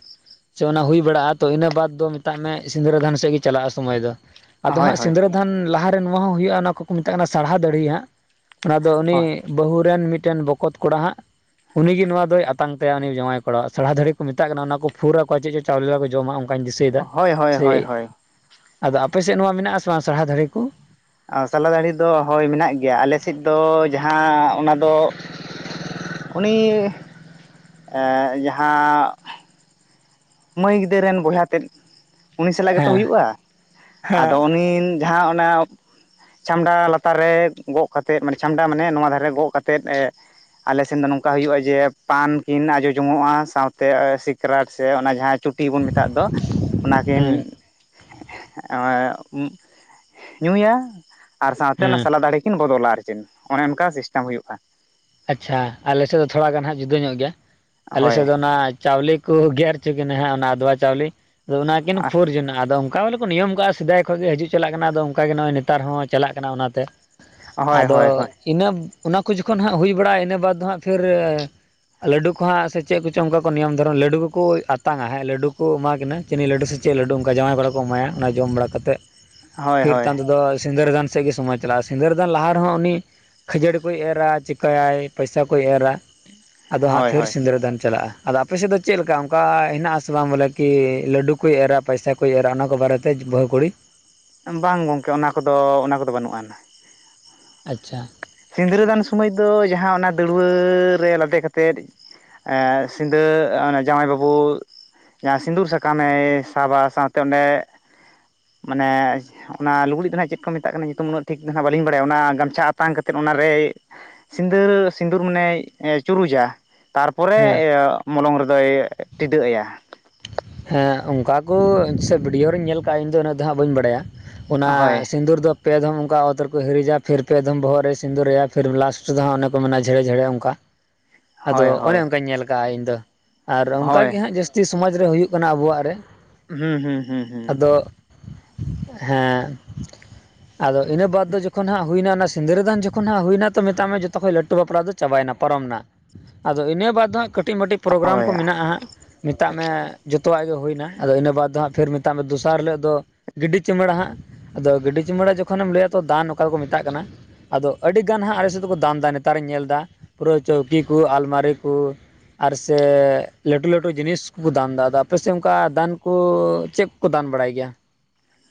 ᱥᱮ ᱚᱱᱟ ᱦᱩᱭ ᱵᱟᱲᱟᱜ-ᱟ, ᱛᱚ ᱤᱱᱟᱹ ᱵᱟᱫᱽ ᱫᱚ ᱢᱮᱛᱟᱜ ᱢᱮ ᱥᱤᱸᱫᱽᱨᱟᱹᱫᱟᱱ ᱥᱮᱫ ᱜᱮ ᱪᱟᱞᱟᱜ-ᱟ ᱥᱚᱢᱚᱭ ᱫᱚ᱾ ᱟᱫᱚ ᱦᱳᱭ ᱦᱟᱸᱜ ᱦᱳᱭ ᱥᱤᱸᱫᱨᱟᱹᱫᱟᱱ ᱞᱟᱦᱟᱨᱮ ᱱᱚᱣᱟ ᱦᱚᱸ ᱦᱩᱭᱩᱜ-ᱟ, ᱱᱚᱣᱟ ᱠᱚᱠᱚ ᱢᱮᱛᱟᱜ ᱠᱟᱱᱟ ᱥᱟᱨᱦᱟ ᱫᱟᱲᱮ ᱦᱟᱸᱜ᱾ ᱚᱱᱟ ᱫᱚ ᱦᱳᱭ ᱩᱱᱤ ᱵᱟᱹᱦᱩ ᱨᱮᱱ ᱢᱤᱫᱴᱮᱱ ᱵᱚᱠᱚᱛ ᱠᱚᱲᱟ ᱦᱟᱸᱜ ᱩᱱᱤᱜᱮ ᱱᱚᱣᱟ ᱫᱚᱭ ᱟᱛᱟᱝ ᱛᱟᱭᱟ, ᱩᱱᱤ ᱡᱟᱶᱟᱭ ᱠᱚᱲᱟ ᱼᱟ ᱥᱟᱲᱦᱟ ᱫᱟᱹᱲᱦᱤ ᱠᱚ ᱢᱮᱛᱟᱜ ᱠᱟᱱᱟ ᱚᱱᱟ ᱠᱚ ᱯᱷᱩᱨ ᱟᱠᱚᱣᱟ ᱪᱮᱫ ᱪᱟᱣᱞᱮ ᱠᱚ ᱡᱚᱢᱟ᱾ ᱱᱚᱠᱟᱧ ᱫᱤᱥᱟᱹᱭᱮᱫᱟ ᱦᱳᱭ ᱦᱳᱭ ᱦᱳᱭ ᱥᱮ ᱦᱳᱭ ᱟᱫᱚ, ᱟᱯᱮ ᱥᱮᱫ ᱱᱚᱣᱟ ᱢᱮᱱᱟᱜ ᱥᱮ ᱵᱟᱝ ᱥᱟᱹᱲᱦᱟ ᱫᱟᱹᱲᱦᱤ ᱠᱚ? ᱟᱨ ᱥᱟᱞᱟ ᱫᱟᱲᱤ ᱫᱚ ᱦᱳᱭ ᱢᱮᱱᱟᱜ ᱜᱮᱭᱟ ᱟᱞᱮ ᱥᱮᱫ ᱫᱚ ᱡᱟᱦᱟᱸ ᱚᱱᱟᱫᱚ᱾ ᱩᱱᱤ ᱮᱸ ᱡᱟᱦᱟᱸ᱾ ᱢᱟᱹᱭ ᱜᱤᱫᱟᱹᱨ ᱨᱮᱱ ᱵᱚᱭᱦᱟ ᱛᱮᱫ, ᱩᱱᱤ ᱥᱟᱞᱟᱜ ᱜᱮᱛᱚ ᱦᱮᱸ ᱦᱩᱭᱩᱜ-ᱟ᱾ ᱟᱫᱚ ᱦᱮᱸ ᱩᱱᱤ ᱡᱟᱦᱟᱸ ᱚᱱᱮ [unintelligible] ᱪᱷᱟᱢᱰᱟ ᱞᱟᱛᱟᱨ ᱨᱮ ᱜᱚᱜ ᱠᱟᱛᱮᱜ ᱢᱟᱱᱮ ᱪᱷᱟᱢᱰᱟ ᱢᱟᱱᱮ ᱱᱚᱣᱟ ᱫᱷᱟᱨᱮ ᱨᱮ ᱜᱚᱜ ᱠᱟᱛᱮᱫ ᱮ, ᱟᱞᱮᱥᱱ ᱫᱚ ᱱᱚᱝᱠᱟ ᱦᱩᱭᱩᱜᱼᱟ ᱡᱮ ᱯᱟᱱ ᱠᱤᱱ ᱟᱡᱚ ᱡᱚᱝᱚᱜᱼᱟ ᱥᱟᱶᱛᱮ ᱥᱤᱠᱨᱟᱴ ᱥᱮ ᱚᱱᱟ, ᱡᱟᱦᱟᱸ ᱪᱩᱴᱤ ᱵᱚᱱ ᱢᱮᱛᱟᱜ ᱫᱚ ᱚᱱᱟᱠᱤᱱ, ᱦᱮᱸ ᱧᱩᱭᱟ ᱟᱨ ᱥᱟᱶᱛᱮ ᱚᱱᱟ ᱦᱮᱸ ᱥᱟᱞᱟ ᱫᱟᱹᱲᱮ ᱠᱤᱱ ᱵᱚᱫᱚᱞᱟ ᱟᱨ᱾ ᱚᱱᱮ ᱚᱱᱠᱟ ᱥᱤᱥᱴᱮᱢ ᱦᱩᱭᱩᱜ ᱼᱟ᱾ ᱟᱪᱪᱷᱟ ᱟᱞᱮᱥᱮᱜ ᱫᱚ ᱛᱷᱚᱲᱟ ᱜᱟᱱ ᱦᱟᱸᱜ ᱡᱩᱫᱟᱹ ᱧᱚᱜ ᱜᱮᱭᱟ ᱟᱞᱮᱥᱮᱜ ᱦᱳᱭ ᱫᱚ ᱚᱱᱟ, ᱪᱟᱣᱞᱮ ᱠᱚ ᱜᱮᱨ ᱦᱚᱪᱚ ᱠᱤᱱᱟᱹ ᱦᱟᱸᱜ ᱚᱱᱟ ᱟᱫᱚᱣᱟ ᱪᱟᱣᱞᱮ ᱟᱫᱚ ᱚᱱᱟ ᱠᱤᱱ ᱦᱳᱭ ᱯᱷᱩᱨ ᱡᱚᱱᱟᱜᱼᱟ ᱟᱫᱚ ᱚᱱᱠᱟ ᱵᱚᱞᱮ, ᱠᱚ ᱱᱤᱭᱚᱢ ᱠᱟᱜᱼᱟ ᱥᱮᱫᱟᱭ ᱠᱷᱚᱱ ᱜᱮ ᱦᱤᱡᱩᱜ ᱪᱟᱞᱟᱜ ᱠᱟᱱᱟ ᱟᱫᱚ ᱚᱝᱠᱟᱜᱮ ᱱᱚᱜᱼᱚᱭ ᱱᱮᱛᱟᱨ ᱦᱚᱸ ᱪᱟᱞᱟᱜ ᱠᱟᱱᱟ ᱚᱱᱟᱛᱮ ᱦᱳᱭ ᱟᱫᱚ ᱦᱳᱭ ᱤᱱᱟᱹ ᱚᱱᱟ ᱠᱚ ᱡᱚᱠᱷᱚᱱ ᱦᱟᱸᱜ ᱦᱩᱭ ᱵᱟᱲᱟᱜᱼᱟ ᱤᱱᱟᱹ ᱵᱟᱫ ᱫᱚ ᱦᱟᱸᱜ ᱯᱷᱤᱨ, ᱞᱟᱹᱰᱩ ᱠᱚ ᱦᱟᱸᱜ ᱥᱮ ᱪᱮᱜ ᱠᱚᱪᱚᱝ ᱚᱱᱠᱟ ᱠᱚ ᱱᱤᱭᱚᱢ ᱫᱷᱚᱨᱚᱱ ᱞᱟᱹᱰᱩ ᱠᱚᱠᱚ ᱟᱛᱟᱝᱟ ᱦᱮᱸ ᱞᱟᱹᱰᱩ ᱠᱚ ᱮᱢᱟ ᱠᱤᱱᱟᱹ᱾ ᱪᱤᱱᱤ ᱞᱟᱹᱰᱩ ᱥᱮ ᱪᱮᱜ ᱞᱟᱹᱰᱩ ᱚᱝᱠᱟ ᱡᱟᱶᱟᱭ ᱠᱚᱲᱟ ᱠᱚ ᱮᱢᱟᱭᱟ᱾ ᱚᱱᱟ ᱡᱚᱢ ᱵᱟᱲᱟ ᱠᱟᱛᱮᱜ ᱦᱳᱭ ᱯᱷᱤᱨ ᱦᱳᱭ ᱛᱟᱭᱚᱢ ᱛᱮᱫᱚ ᱥᱤᱸᱫᱟᱹᱨᱟᱹ ᱫᱟᱱ ᱥᱮᱜ ᱜᱮ ᱥᱚᱢᱚᱭ ᱪᱟᱞᱟᱜᱼᱟ ᱥᱤᱸᱫᱟᱹᱨᱟᱹ ᱫᱟᱱ ᱞᱟᱦᱟ ᱨᱮᱦᱚᱸ ᱩᱱᱤ ᱠᱷᱟᱹᱡᱟᱹᱲᱤ ᱠᱚᱭ ᱮᱨᱟ ᱪᱮᱠᱟᱭᱟᱭ ᱯᱚᱭᱥᱟ ᱠᱚᱭ ᱮᱨᱟ᱾ ᱟᱫᱚ ᱦᱟᱸᱜ ᱦᱳᱭ ᱯᱷᱤᱨ ᱦᱳᱭ ᱥᱤᱸᱫᱟᱹᱨᱟᱹ ᱫᱟᱱ ᱪᱟᱞᱟᱜᱼᱟ᱾ ᱟᱫᱚ ᱟᱯᱮᱥᱮᱜ ᱫᱚ ᱪᱮᱜ ᱞᱮᱠᱟ ᱚᱝᱠᱟ ᱦᱮᱱᱟᱜᱼᱟ ᱥᱮ ᱵᱟᱝ ᱵᱚᱞᱮ ᱠᱤ ᱞᱟᱹᱰᱩ ᱠᱚᱭ ᱮᱨᱟ ᱯᱟᱭᱥᱟ ᱠᱚᱭ ᱮᱨᱟ ᱚᱱᱟ ᱠᱚ ᱵᱟᱨᱮ, ᱛᱮᱡ ᱵᱟᱹᱦᱩ ᱠᱩᱲᱤ᱾ ᱵᱟᱝ ᱜᱚᱝᱠᱮ ᱚᱱᱟ ᱠᱚᱫᱚ ᱚᱱᱟ ᱠᱚᱫᱚ ᱵᱟᱹᱱᱩᱜᱼᱟ ᱱᱟ᱾ ᱟᱪᱪᱷᱟ, ᱥᱤᱸᱫᱟᱹᱨᱟᱹ ᱫᱟᱱ ᱥᱚᱢᱚᱭ ᱫᱚ ᱡᱟᱦᱟᱸ ᱚᱱᱟ ᱫᱟᱹᱲᱩᱣᱟᱹ ᱨᱮ ᱞᱟᱫᱮ ᱠᱟᱛᱮᱫ, ᱮ ᱥᱤᱸᱫᱟᱹ ᱚᱱᱮ ᱡᱟᱣᱟᱭ ᱵᱟᱹᱵᱩ, ᱡᱟᱦᱟᱸ ᱥᱤᱸᱫᱩᱨ ᱥᱟᱠᱟᱢᱮ ᱥᱟᱵᱟ ᱥᱟᱶᱛᱮ ᱚᱸᱰᱮ ᱢᱟᱱᱮ ᱚᱱᱟ ᱞᱩᱜᱽᱲᱤᱜ ᱫᱚ ᱱᱟᱜ ᱪᱮᱫ ᱠᱚ ᱢᱮᱛᱟᱜ ᱠᱟᱱᱟ ᱧᱩᱛᱩᱢ ᱩᱱᱟᱹᱜ ᱴᱷᱤᱠ ᱫᱚ ᱱᱟᱜ ᱵᱟᱹᱞᱤᱧ ᱵᱟᱲᱟᱭᱟ ᱚᱱᱟ ᱜᱟᱢᱪᱷᱟ ᱟᱛᱟᱝ ᱠᱟ, ᱛᱮᱫ ᱚᱱᱟᱨᱮᱭ ᱥᱤᱸᱫᱟᱹᱨ ᱥᱤᱸᱫᱩᱨ ᱢᱟᱱᱮᱭ ᱪᱩᱨᱩᱡᱟ ᱛᱟᱨᱯᱚᱨᱮ ᱦᱮᱸ ᱤᱭᱟᱹ ᱢᱚᱞᱚᱝ ᱨᱮᱫᱚᱭ ᱴᱤᱰᱟᱹᱜ ᱟᱭᱟ᱾ ᱦᱮᱸ ᱚᱱᱠᱟ ᱠᱳ ᱥᱮ ᱵᱤᱰᱤᱭᱳ ᱨᱮᱧ ᱧᱮᱞ ᱠᱟᱜᱼᱟ ᱤᱧ ᱫᱚ ᱩᱱᱟᱹᱜ ᱫᱚ ᱦᱟᱸᱜ ᱵᱟᱹᱧ ᱵᱟᱰᱟᱭᱟ᱾ ᱚᱱᱟ ᱦᱳᱭ ᱥᱤᱸᱫᱩᱨ ᱫᱚ ᱯᱮᱫᱚᱢ ᱚᱝᱠᱟ ᱚᱛ ᱨᱮᱠᱚ ᱦᱤᱨᱤᱡᱟ ᱯᱷᱤᱨ ᱯᱮᱫᱚᱢ ᱵᱚᱦᱚᱜ ᱨᱮᱭ ᱥᱤᱸᱫᱩᱨᱟᱭᱟ ᱯᱷᱤᱨ ᱞᱟᱥ ᱨᱮᱫᱚ ᱚᱱᱮ ᱠᱚ ᱢᱮᱱᱟ ᱡᱷᱮᱲᱮ ᱡᱷᱮᱲᱮ ᱚᱝᱠᱟ᱾ [inaudible] ᱟᱫᱚ ᱚᱱᱮ ᱦᱳᱭ ᱚᱝᱠᱟᱧ ᱧᱮᱞ ᱠᱟᱜᱼᱟ ᱤᱧ ᱫᱚ ᱟᱨ ᱚᱝᱠᱟ ᱦᱳᱭ ᱜᱮ ᱦᱟᱸᱜ ᱡᱟᱹᱥᱛᱤ ᱥᱚᱢᱟᱡ ᱨᱮ ᱦᱩᱭᱩᱜ, ᱠᱟᱱᱟ ᱟᱵᱚᱣᱟᱜ ᱨᱮ᱾ ᱦᱩᱸ ᱦᱩᱸ ᱦᱩᱸ ᱦᱩᱸ ᱟᱫᱚ ᱦᱮᱸ ᱟᱫᱚ ᱤᱱᱟᱹ ᱵᱟᱫ ᱫᱚ ᱡᱚᱠᱷᱚᱱ ᱦᱟᱸᱜ ᱦᱩᱭᱱᱟ ᱚᱱᱟ ᱥᱤᱸᱫᱟᱹᱨᱟᱹ ᱫᱟᱱ ᱡᱚᱠᱷᱚᱱ ᱦᱟᱸᱜ ᱦᱩᱭᱱᱟ ᱛᱚ ᱢᱮᱛᱟᱜ ᱢᱮ ᱡᱚᱛᱚ ᱠᱷᱚᱡ ᱞᱟᱹᱴᱩ ᱵᱟᱯᱞᱟ ᱫᱚ ᱪᱟᱵᱟᱭᱱᱟ ᱯᱟᱨᱚᱢᱱᱟ᱾ ᱟᱫᱚ ᱤᱱᱟᱹ ᱵᱟᱫ ᱫᱚ ᱦᱟᱸᱜ ᱠᱟᱹᱴᱤᱡ ᱢᱟᱹᱴᱤᱡ ᱯᱨᱳᱜᱜᱨᱟᱢ ᱦᱳᱭ ᱠᱚ ᱢᱮᱱᱟᱜᱼᱟ ᱦᱟᱸᱜ ᱢᱮᱛᱟᱜ ᱢᱮ ᱡᱚᱛᱚᱣᱟᱜ ᱜᱮ ᱦᱩᱭᱱᱟ᱾ ᱟᱫᱚ ᱤᱱᱟᱹ ᱵᱟᱫ ᱫᱚ ᱦᱟᱸᱜ ᱯᱷᱤᱨ ᱢᱮᱛᱟᱜ ᱢᱮ ᱫᱚᱥᱟᱨ ᱦᱤᱞᱳᱜ ᱫᱚ ᱜᱤᱰᱤ ᱪᱤᱢᱟᱹᱲᱟ ᱦᱟᱸᱜ᱾ ᱟᱫᱚ ᱜᱟᱹᱰᱤ ᱪᱩᱢᱟᱹᱲᱟ ᱡᱚᱠᱷᱚᱱᱮᱢ ᱞᱟᱹᱭᱟ ᱛᱚ ᱫᱟᱱ ᱱᱚᱝᱠᱟ ᱠᱚ ᱢᱮᱛᱟᱜ ᱠᱟᱱᱟ᱾ ᱟᱫᱚ ᱟᱹᱰᱤᱜᱟᱱ ᱦᱟᱸᱜ ᱟᱞᱮ ᱥᱮᱜ ᱫᱚᱠᱚ ᱫᱟᱱ ᱫᱟ ᱱᱮᱛᱟᱨᱤᱧ ᱧᱮᱞ ᱫᱟ ᱯᱩᱨᱟᱹ ᱪᱟᱹᱣᱠᱤ ᱠᱩ ᱟᱞᱢᱟᱨᱤ ᱠᱩ, ᱟᱨ ᱥᱮ ᱞᱟᱹᱴᱩ ᱞᱟᱹᱴᱩ ᱡᱤᱱᱤᱥ ᱠᱩ ᱫᱟᱱ ᱫᱟ᱾ ᱟᱫᱚ ᱟᱯᱟᱥᱮᱜ ᱚᱝᱠᱟ ᱫᱟᱱ ᱠᱚ ᱪᱮᱜ ᱠᱚᱠᱚ ᱫᱟᱱ ᱵᱟᱲᱟᱭ ᱜᱮᱭᱟ?